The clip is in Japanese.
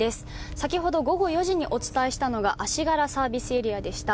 先ほど午後４時にお伝えしたのは足柄サービスエリアでした。